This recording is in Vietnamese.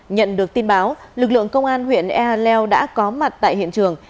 nhận được tin báo lực lượng công an huyện eleo đã có mặt tại hiện trường